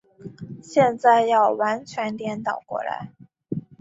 现在要完全颠倒过来。